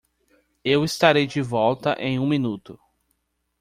Eu estarei de volta em um minuto.